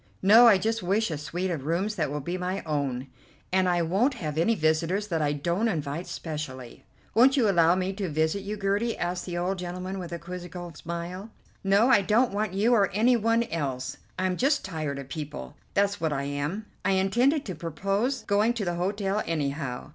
"No, I just wish a suite of rooms that will be my own; and I won't have any visitors that I don't invite specially." "Won't you allow me to visit you, Gertie?" asked the old gentleman with a quizzical smile. "No, I don't want you or any one else. I'm just tired of people, that's what I am. I intended to propose going to the hotel anyhow.